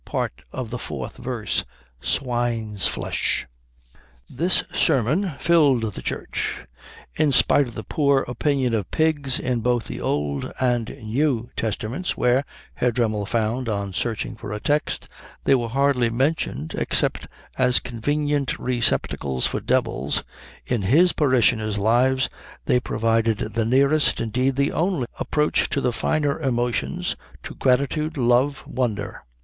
part of the 4th verse, Swine's flesh. This sermon filled the church. In spite of the poor opinion of pigs in both the Old and New Testaments, where, Herr Dremmel found on searching for a text, they were hardly mentioned except as convenient receptacles for devils, in his parishioners' lives they provided the nearest, indeed the only, approach to the finer emotions, to gratitude, love, wonder.